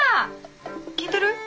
聞いとる？